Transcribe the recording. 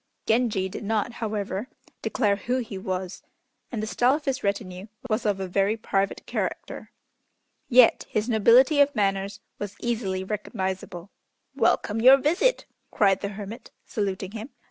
Genji did not, however, declare who he was, and the style of his retinue was of a very private character. Yet his nobility of manners was easily recognizable. "Welcome your visit!" cried the hermit, saluting him.